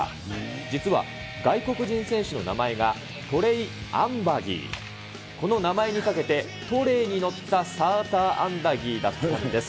実は外国人選手の名前が、トレイ・アンバギー、この名前にかけて、トレーに載ったサーターアンダギーだったんです。